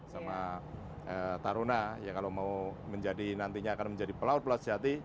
sama taruna ya kalau mau nantinya akan menjadi pelaut pelaut sejati